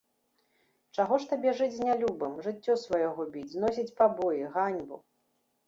Чаго ж табе жыць з нялюбым, жыццё сваё губіць, зносіць пабоі, ганьбу?